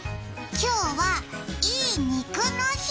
今日はいいにくの日。